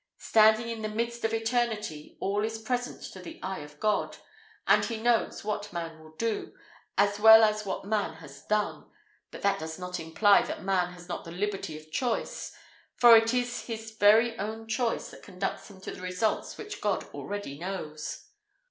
Standing in the midst of eternity, all is present to the eye of God; and he knows what man will do, as well as what man has done; but that does not imply that man has not the liberty of choice, for it is his very own choice that conducts him to the results which God already knows.